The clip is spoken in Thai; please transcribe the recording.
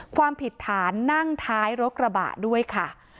ความผิดฐานนั่งท้ายรถกระบะด้วยค่ะ